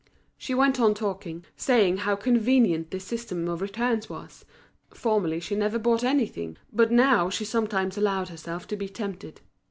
She went on talking, saying how convenient this system of returns was; formerly she never bought anything, but now she sometimes allowed herself to be tempted.